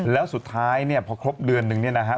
แล้วสุดท้ายพอครบเดือนนึงนี่นะครับ